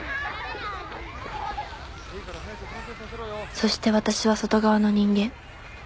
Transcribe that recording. そして私は外側の人間